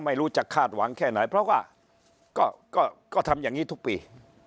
ไม่รู้จะคาดหวังแค่ไหนเพราะว่าก็ทำอย่างนี้ทุกปี